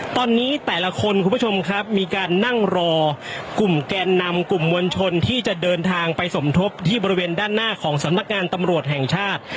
ตอนนี้แต่ละคนคุณผู้ชมครับมีการนั่งรอกลุ่มแกนนำกลุ่มมวลชนที่จะเดินทางไปสมทบที่บริเวณด้านหน้าของสำนักงานตำรวจแห่งชาติ